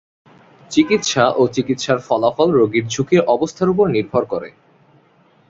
চিকিৎসা ও চিকিৎসার ফলাফল রোগীর ঝুঁকির অবস্থার ওপর নির্ভর করে।